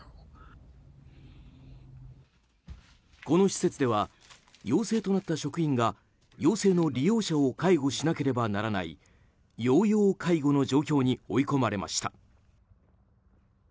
この施設では陽性となった職員が陽性の利用者を介護しなければならない陽陽介護の状況に追い込まれました。